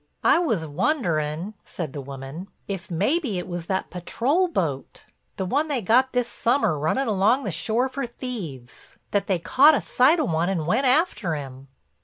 "I was wonderin'," said the woman, "if may be it was that patrol boat—the one they got this summer runnin' along the shore for thieves—That they caught a sight of one and went after him."